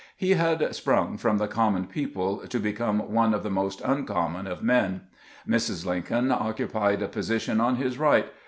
He had sprung from the com mon people to become one of the most uncommon of men. Mrs. Lincoln occupied a position on his right.